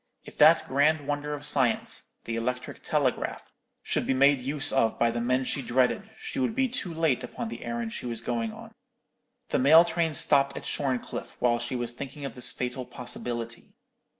If that grand wonder of science, the electric telegraph, should be made use of by the men she dreaded, she would be too late upon the errand she was going on. The mail train stopped at Shorncliffe while she was thinking of this fatal possibility.